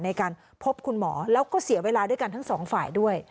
ในการพบคุณหมอแล้วก็เสียเวลาด้วยกันทั้งสองฝ่ายด้วย